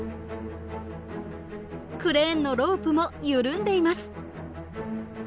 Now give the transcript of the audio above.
クレーンのロープも緩んでいます。